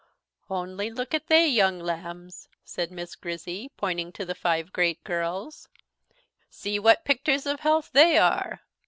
"Only look at thae young lambs," said Miss Grizzy, pointing to the five great girls; "see what pickters of health they are!